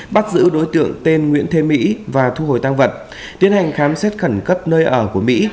bắt giữ đối tượng tên nguyễn thế mỹ và thu hồi tăng vận tiến hành khám xét khẩn cấp nơi ở của mỹ